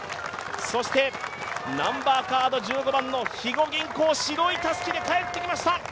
そしてナンバーカード１５番の肥後銀行、白いたすきで帰ってきました